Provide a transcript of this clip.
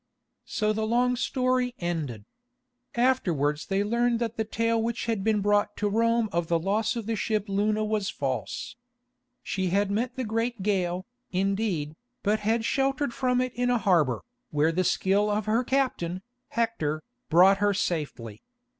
So the long story ended. Afterwards they learned that the tale which had been brought to Rome of the loss of the ship Luna was false. She had met the great gale, indeed, but had sheltered from it in a harbour, where the skill of her captain, Hector, brought her safely.